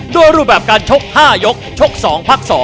รูปแบบการชก๕ยกชก๒พัก๒